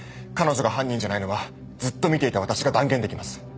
彼女が犯人じゃないのはずっと見ていた私が断言できます。